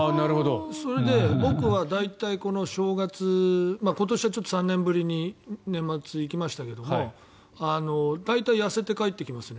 それで、僕は大体この正月今年はちょっと３年ぶりに年末に行きましたけど大体痩せて帰ってきますね。